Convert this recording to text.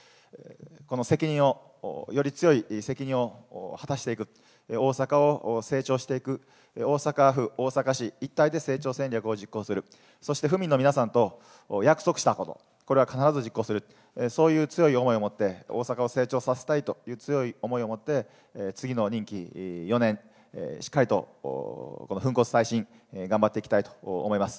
この責任を、より強い責任を果たしていく、大阪を成長していく、大阪府、大阪市一体で成長戦略を実行する、そして府民の皆さんと約束したこと、これは必ず実行する、そういう強い思いを持って、大阪を成長させたいという強い思いを持って次の任期４年、しっかりと粉骨砕身、頑張っていきたいと思います。